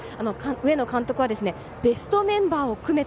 上野監督は、ベストメンバーを組めた。